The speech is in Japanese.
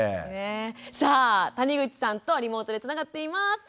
さあ谷口さんとリモートでつながっています。